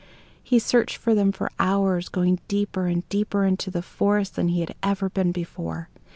He searched for them for hours, going deeper and deeper into the forest than he had ever been before.